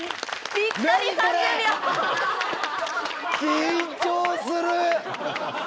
緊張する！